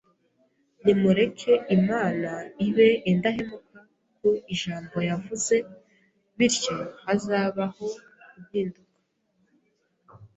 Nimureke Imana ibe indahemuka ku ijambo yavuze bityo hazabaho impinduka